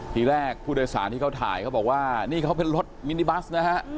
ทีแรกผู้โดยสารที่เขาถ่ายเขาบอกว่านี่เขาเป็นรถมินิบัสนะฮะ